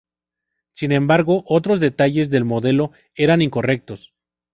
Sin embargo, otros detalles del modelo eran incorrectos.